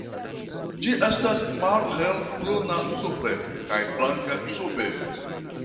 Ĝi estas malhelbruna supre kaj blanka sube.